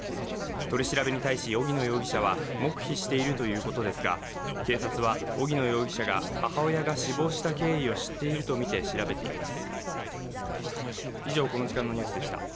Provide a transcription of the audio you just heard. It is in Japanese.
取り調べに対し荻野容疑者は黙秘しているということですが、警察は荻野容疑者が母親が死亡した経緯を知っているとみて調べています。